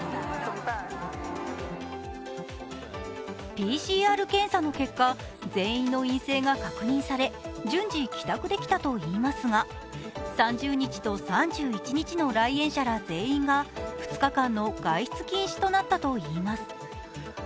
ＰＣＲ検査の結果全員の陰性が確認され順次帰宅できたといいますが３０日と３０日と３１日の来園者ら全員が２日間の外出禁止となったといいます。